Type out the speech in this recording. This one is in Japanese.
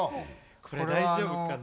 これ大丈夫かな。